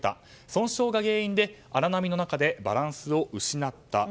損傷が原因で荒波の中でバランスを失った。